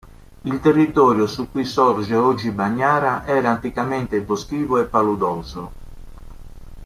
Il territorio su cui sorge oggi Bagnara era anticamente boschivo e paludoso.